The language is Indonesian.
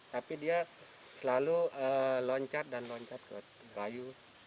tapi dia selalu loncat dan loncat ke bayu